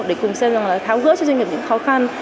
để cùng xem là tháo gỡ cho doanh nghiệp những khó khăn